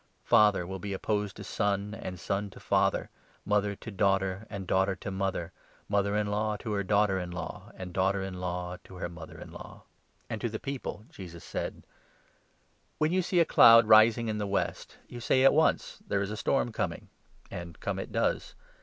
' Father will be opposed to son and son to father, mother tq 53 daughter and daughter to mother, mother in law to her daughter in law and daughter in law to her mother in law.' " signs of And to the people Jesus said : 54 the Times. " When you see a cloud rising in the west, you say at once ' There is a storm coming,' and come it does.